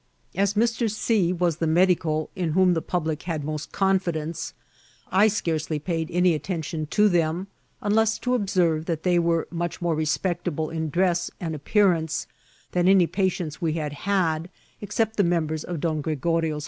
As Mr. C. was the medico in whom the public had most confidence, I scarcely paid any atten tion to them, unless to observe that they were much more respectable in dress and appearance than any pa^ lients we had had except the members of Don Orego 14B IKCIDBlfTfl OP TRATCL.